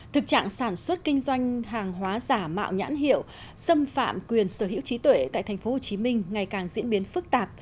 thực trạng sản xuất kinh doanh hàng hóa giả mạo nhãn hiệu xâm phạm quyền sở hữu trí tuệ tại tp hcm ngày càng diễn biến phức tạp